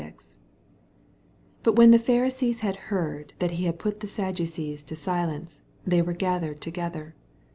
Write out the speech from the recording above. S4 Bat when the Pharisees had heard that he had pat the Saddaoees to silence, they were gathered to gether.